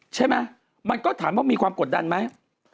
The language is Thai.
มันก็ถามว่ามีความกดดันไหม